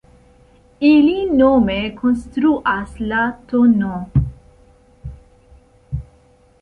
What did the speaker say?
Ili nome konstruas la tn.